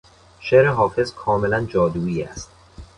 شعر حافظ کاملا جادویی است.